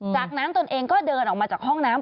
จากนั้นตนเองก็เดินออกมาจากห้องน้ำ